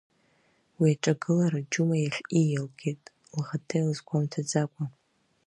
Уи аҿагылара Џьума иахь ииалгеит, лхаҭа илызгәамҭаӡакәа.